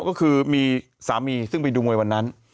ก็คือมีสามีซึ่งไปดูมวยวันนั้น